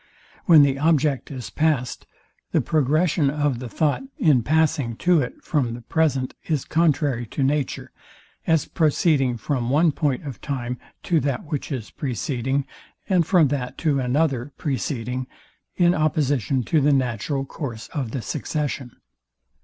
When the object is past, the progression of the thought in passing to it from the present is contrary to nature, as proceeding from one point of time to that which is preceding, and from that to another preceding, in opposition to the natural course of the succession.